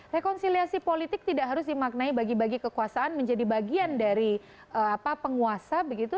rekonsiliasi politik tidak harus dimaknai bagi bagi kekuasaan menjadi bagian dari penguasa begitu